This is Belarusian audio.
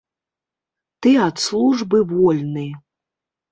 Ты ад службы вольны!